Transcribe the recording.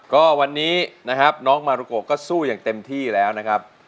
ก็วันนี้นะครับน้องมารุโกก็สู้อย่างเต็มที่แล้วนะครับ